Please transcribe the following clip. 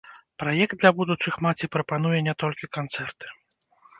Праект для будучых маці прапануе не толькі канцэрты.